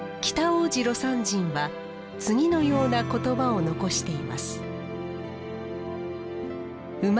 北大路魯山人は次のような言葉を残しています